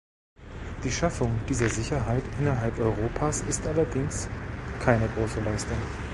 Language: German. Die Schaffung dieser Sicherheit innerhalb Europas ist allerdings keine große Leistung.